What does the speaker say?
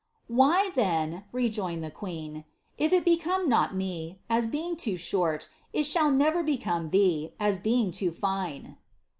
^ Why then," rejoined the queen, ^^ if it become not me, as being too short, it shall never become thee, as being too fine."